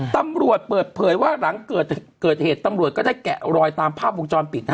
ตำรวจเปิดเผยว่าหลังเกิดเหตุตำรวจก็ได้แกะรอยตามภาพวงจรปิด